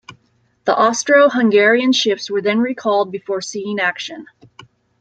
The Austro-Hungarian ships were then recalled before seeing action.